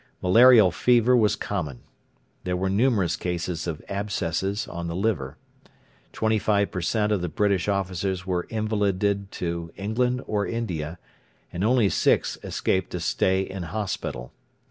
Malarial fever was common. There were numerous cases of abscess on the liver. Twenty five per cent of the British officers were invalided to England or India, and only six escaped a stay in hospital.